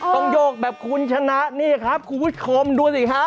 ต้องโยกแบบคุณชนะนี่ครับคุณพุทธคอมดูสิคะ